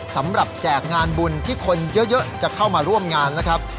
แจกงานบุญที่คนเยอะจะเข้ามาร่วมงานนะครับ